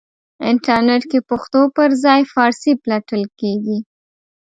انټرنېټ کې پښتو پرځای فارسی پلټل کېږي.